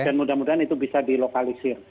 dan mudah mudahan itu bisa dilokalisir